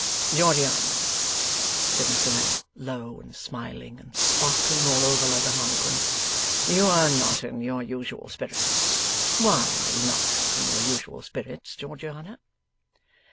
'Georgiana,' said Mr Lammle, low and smiling, and sparkling all over, like a harlequin; 'you are not in your usual spirits. Why are you not in your usual spirits, Georgiana?